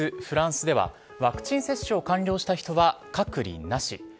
フランスではワクチン接種を完了した人は隔離なし。